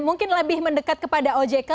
mungkin lebih mendekat kepada ojk